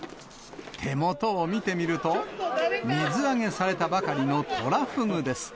手元を見てみると、水揚げされたばかりのトラフグです。